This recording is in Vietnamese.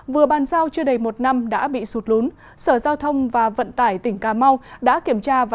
vừa bàn giao chưa đầy một năm đã bị sụt lún sở giao thông và vận tải tỉnh cà mau đã kiểm tra và